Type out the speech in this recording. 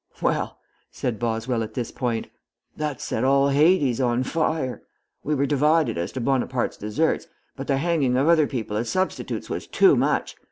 Well," said Boswell, at this point, "that set all Hades on fire. We were divided as to Bonaparte's deserts, but the hanging of other people as substitutes was too much.